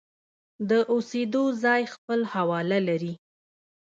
د اوسېدو ځای خپل حواله لري.